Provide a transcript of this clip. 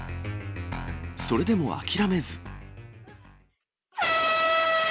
それでも諦めず。